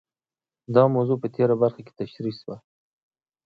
دا موضوع په تېره برخه کې تشرېح شوه.